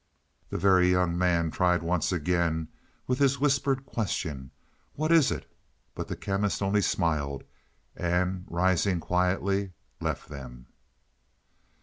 The Very Young Man tried once again with his whispered question "What is it?" but the Chemist only smiled, and rising quietly left them.